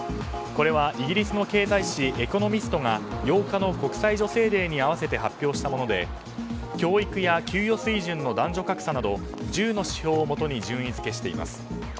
これは、イギリスの経済誌「エコノミスト」が８日の国際女性デーに合わせて発表したもので教育や給与水準の男女格差など１０の指標をもとに順位づけしています。